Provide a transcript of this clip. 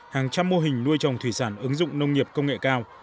hàng trăm mô hình nuôi trồng thủy sản ứng dụng nông nghiệp công nghệ cao